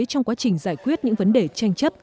trong quá trình giải quyết những vấn đề tranh chấp